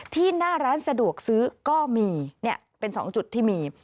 ที่หน้าร้านสะดวกซื้อก็มีเป็น๒จุดที่มี